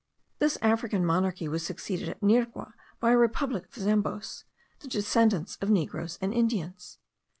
This African monarchy was succeeded at Nirgua by a republic of Zamboes, the descendants of negroes and Indians.